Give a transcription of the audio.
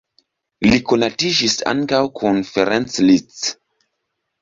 Li konatiĝis ankaŭ kun Ferenc Liszt.